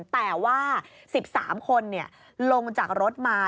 แต่ว่า๑๓คนลงจากรถมา